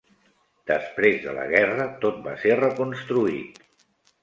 Després de la guerra, tot va ser reconstruït.